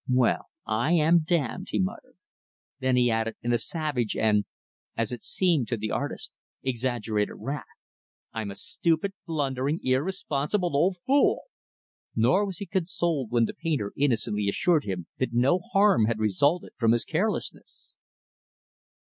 "Well I am damned," he muttered. Then added, in savage and as it seemed to the artist exaggerated wrath, "I'm a stupid, blundering, irresponsible old fool." Nor was he consoled when the painter innocently assured him that no harm had resulted from his carelessness.